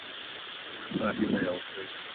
Inafaa iwe ya ukweli.